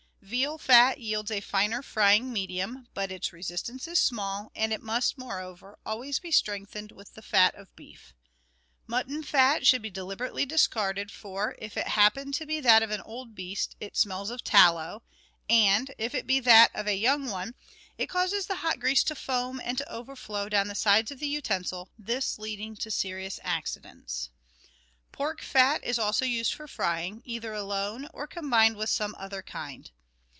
Veal fat yields a finer frying medium, but its resistance is small, and it must, moreover, always be strengthened with the fat of beef. Mutton fat should be deliberately discarded, for, if it happen to be that of an old beast, it smells of tallow, and, if it be that of a young one, it causes the hot grease to foam and to overflow down the sides of the utensil, this leading to serious accidents. Pork fat is also used for frying, either alone, or combined with some other kind.